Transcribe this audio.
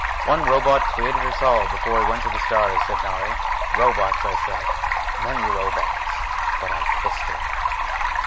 "One Robot created us all before he went to the stars," said Nari. "Robots," I said. "Many Robots." But I kissed her.